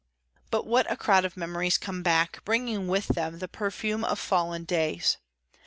But what a crowd of memories come back, bringing with them the perfume of fallen days!